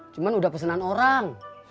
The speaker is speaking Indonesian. cuman udah pesenan orang